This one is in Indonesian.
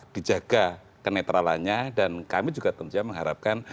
dijaga kenetralannya dan kami juga tentunya mengharapkan